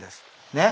ねっ！